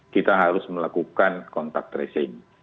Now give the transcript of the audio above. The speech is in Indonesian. kita harus melakukan kontak tracing